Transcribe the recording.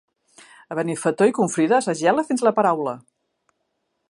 A Benifato i Confrides es gela fins la paraula.